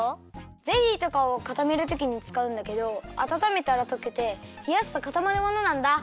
ゼリーとかをかためるときにつかうんだけどあたためたらとけてひやすとかたまるものなんだ。